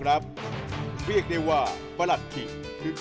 คิกคิกคิกคิกคิกคิกคิก